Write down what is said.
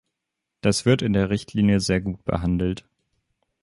Das wird in der Richtlinie sehr gut behandelt.